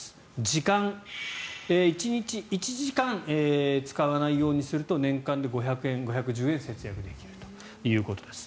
時間、１日１時間使わないようにすると年間で５１０円節約できるということです。